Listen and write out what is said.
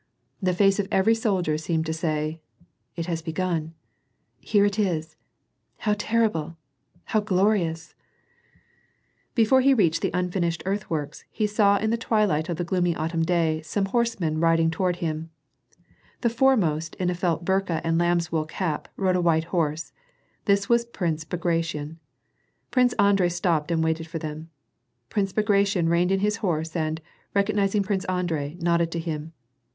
The face of every soldier seemed to say, It has begun I Hert it is! How terrible \ How glorious I Before he reached the unfinished earthworks, he saw in the twilight of the gloomy autumn day, some horsemen riding toward him. The foremost, in a felt burka and a lamb's wool cap, rode a white horse. This was Prince Bagration. Prince Andrei stopped and waited for them. Prince Bagration reined in his horse and, recognizing Prince Andrei, nodded to him.